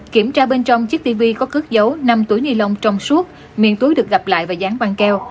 kiểm tra bên trong chiếc tv có cước dấu năm túi nilon trong suốt miền túi được gặp lại và dán băng keo